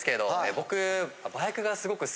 僕。